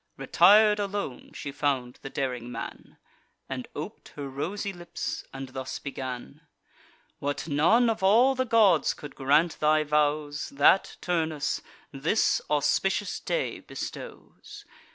Retir'd alone she found the daring man, And op'd her rosy lips, and thus began: "What none of all the gods could grant thy vows, That, Turnus, this auspicious day bestows.